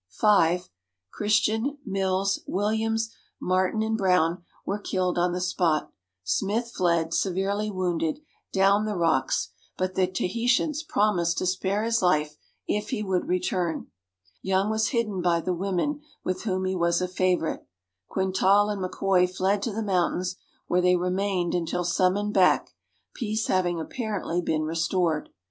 Five — Christian, Mills, WilHams, Martin, and Brown — were killed on the spot; Smith fled, severely wounded, down the rocks, but the Tahitans promised to spare his life if he would return; Young was hidden by the women, with whom he was a favorite; Quintal and McKoy fled to the mountains, where they remained until summoned back, peace having apparently been restored.